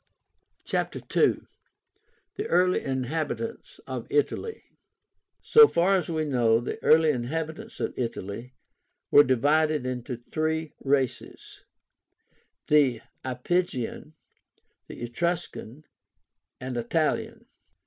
CHAPTER II. THE EARLY INHABITANTS OF ITALY. So far as we know, the early inhabitants of Italy were divided into three races, the IAPYGIAN, ETRUSCAN, and ITALIAN.